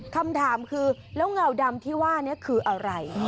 คำถามคือแล้วเงาดำที่ว่านี้คืออะไร